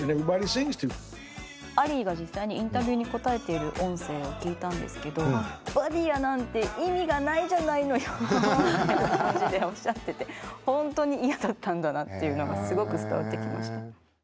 アリーが実際にインタビューに答えている音声を聞いたんですけど「『バーディヤー』なんて意味がないじゃないのよ」みたいな感じでおっしゃっててほんとに嫌だったんだなっていうのがすごく伝わってきました。